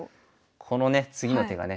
このね次の手がね。